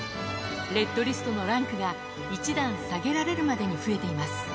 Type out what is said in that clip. レッドリストのランクが１段下げられるまでに増えています。